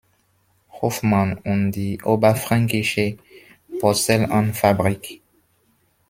Hofmann und die Oberfränkische Porzellanfabrik.